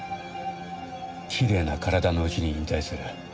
きれいな体のうちに引退する。